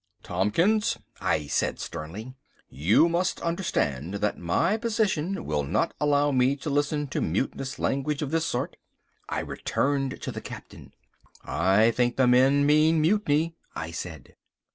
"Tompkins," I said sternly, "you must understand that my position will not allow me to listen to mutinous language of this sort." I returned to the Captain. "I think the men mean mutiny," I said.